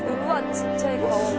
ちっちゃい顔が」